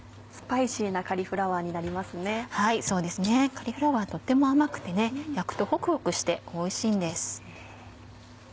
カリフラワーとっても甘くて焼くとホクホクしておいしいんです。